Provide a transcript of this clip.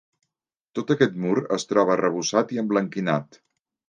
Tot aquest mur es troba arrebossat i emblanquinat.